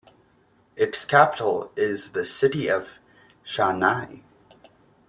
Its capital is the city of Chania.